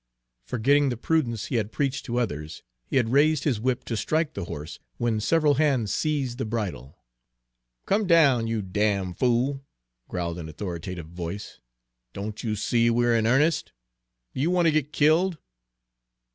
Forgetting the prudence he had preached to others, he had raised his whip to strike the horse, when several hands seized the bridle. "Come down, you damn fool," growled an authoritative voice. "Don't you see we're in earnest? Do you want to get killed?"